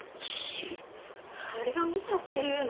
あれを見たっていうの？